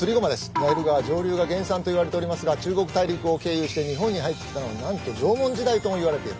ナイル川上流が原産といわれておりますが中国大陸を経由して日本に入ってきたのがなんと縄文時代ともいわれている。